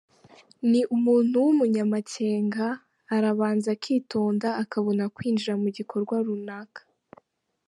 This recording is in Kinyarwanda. Ni umuntu w’umunyamakenga, arabanza akitonda akabona kwinjira mu gikorwa runaka.